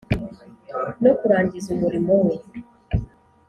no kurangiza umurimo we